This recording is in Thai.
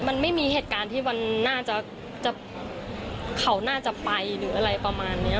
มันไม่มีเหตุการณ์ที่เขาน่าจะไปหรืออะไรประมาณนี้